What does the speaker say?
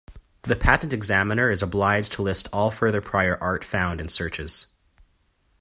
The patent examiner is obliged to list all further prior art found in searches.